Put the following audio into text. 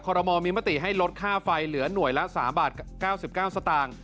รมอลมีมติให้ลดค่าไฟเหลือหน่วยละ๓บาท๙๙สตางค์